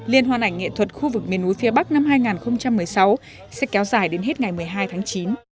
liên hoan ảnh nghệ thuật khu vực miền núi phía bắc năm hai nghìn một mươi sáu sẽ kéo dài đến hết ngày một mươi hai tháng chín